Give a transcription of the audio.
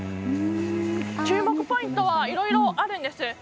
注目ポイントいろいろあるんです。